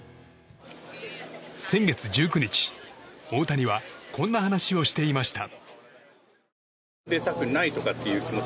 先月１９日大谷はこんな話をしていました。